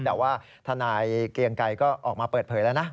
แต่ว่าทนายเกียงไกรก็ออกมาเปิดเผยแล้วนะ